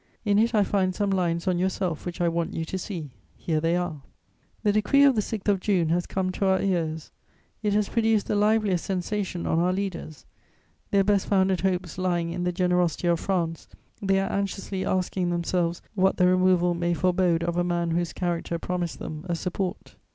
In it I find some lines on yourself which I want you to see; here they are: "'The decree of the 6th of June has come to our ears; it has produced the liveliest sensation on our leaders. Their best founded hopes lying in the generosity of France, they are anxiously asking themselves what the removal may forebode of a man whose character promised them a support.'